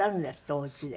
おうちで。